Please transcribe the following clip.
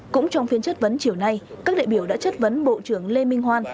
cũng trong phiên chất vấn chiều nay các đại biểu đã chất vấn bộ trưởng lê minh hoan